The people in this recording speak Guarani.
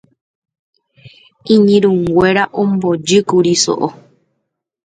iñirũnguéra ombojýkuri so'o